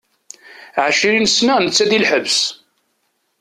Ɛecrin-sna netta di lḥebs.